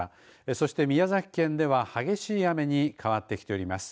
そして、宮崎県では激しい雨に変わってきております。